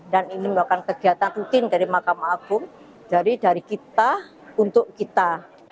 dan ini melakukan kegiatan rutin dari makam agung dari kita untuk kita